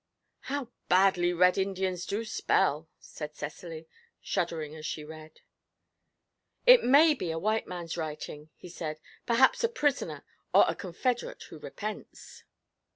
'How badly Red Indians do spell!' said Cecily, shuddering as she read. 'It may be a white man's writing,' he said; 'perhaps a prisoner, or a confederate who repents.'